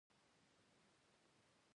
پور په احسان بدل کړه.